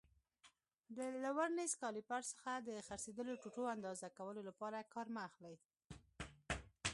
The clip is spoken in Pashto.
له ورنیز کالیپر څخه د څرخېدلو ټوټو اندازه کولو لپاره کار مه اخلئ.